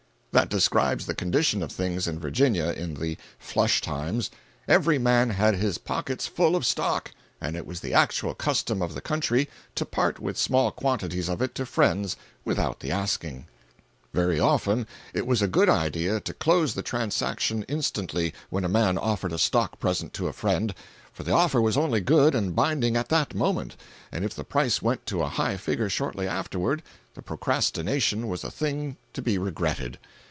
That describes the condition of things in Virginia in the "flush times." Every man had his pockets full of stock, and it was the actual custom of the country to part with small quantities of it to friends without the asking. 309.jpg (41K) Very often it was a good idea to close the transaction instantly, when a man offered a stock present to a friend, for the offer was only good and binding at that moment, and if the price went to a high figure shortly afterward the procrastination was a thing to be regretted.